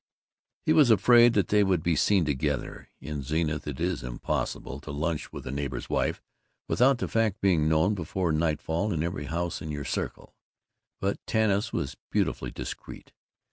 He was afraid that they would be seen together. In Zenith it is impossible to lunch with a neighbor's wife without the fact being known, before nightfall, in every house in your circle. But Tanis was beautifully discreet.